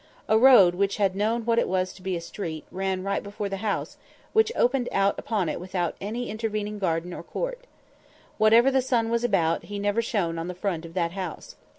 A road which had known what it was to be a street ran right before the house, which opened out upon it without any intervening garden or court. Whatever the sun was about, he never shone on the front of that house.